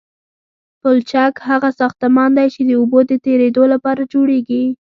پلچک هغه ساختمان دی چې د اوبو د تیرېدو لپاره جوړیږي